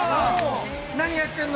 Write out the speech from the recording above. ◆何やってるの。